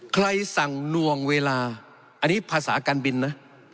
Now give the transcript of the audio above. ใครสั่งนวงเวลาอันนี้ภาษาการบินนะ